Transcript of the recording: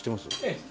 ええ。